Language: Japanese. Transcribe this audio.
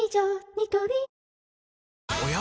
ニトリおや？